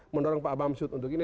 mendorong pak bamsud untuk ini